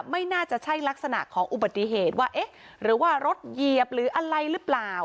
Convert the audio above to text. ไม่น่าจะใช่ลักษณะของอุบัติเหตุว่าเอ๊ะหรือว่ารถเหยียบหรืออะไรหรือเปล่า